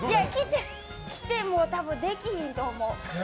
来ても多分できひんと思う。